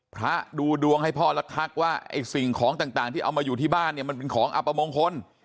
ดูดวงให้พ่อแล้วทักว่าไอ้สิ่งของต่างที่เอามาอยู่ที่บ้านเนี่ยมันเป็นของอัปมงคล